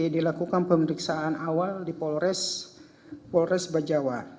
dilakukan pemeriksaan awal di polres bajawa